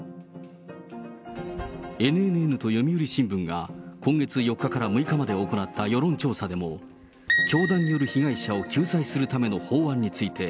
ＮＮＮと読売新聞が今月４日から６日まで行った世論調査でも、教団による被害者を救済するための法案について、